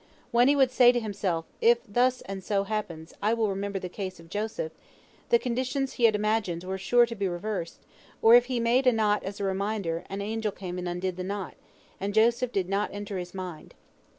When he would say to himself, If thus and so happens, I will remember the case of Joseph, the conditions he had imagined were sure to be reversed, or if he made a knot as a reminder, an angel came and undid the knot, and Joseph did not enter his mind.